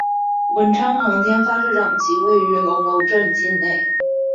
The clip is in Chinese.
文昌航天发射场即位于龙楼镇境内。